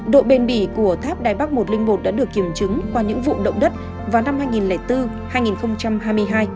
độ bền bỉ của tháp đài bắc một trăm linh một đã được kiểm chứng qua những vụ động đất vào năm hai nghìn bốn hai nghìn hai mươi hai